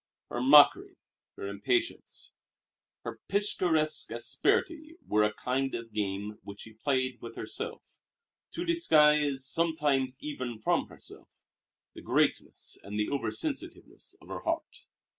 Her mockery, her impatience, her picturesque asperity were a kind of game which she played with herself, to disguise, sometimes even from herself, the greatness and the oversensitiveness of her heart.